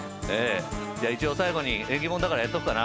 じゃあ、一応最後に縁起物だからやっとくかな。